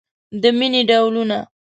د مینې ډولونه